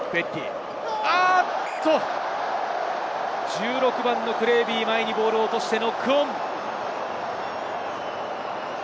１６番のクレービー、前にボールを落としてノックオン。